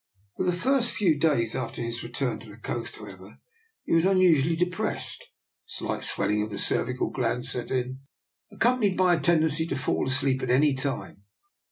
For the first few days after his return to the coast, however, he was un usually depressed. Slight swelling of the cervical glands set in, accompanied by a ten dency to fall asleep at any time.